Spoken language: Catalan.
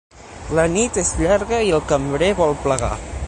La nit és llarga i el cambrer vol plegar.